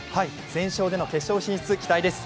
全勝での決勝ラウンド進出、期待です。